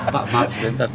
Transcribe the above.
pak maaf sebentar